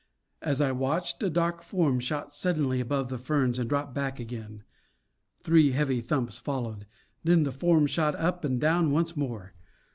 As I watched, a dark form shot suddenly above the ferns and dropped back again. Three heavy thumps followed; then the form shot up and down once more.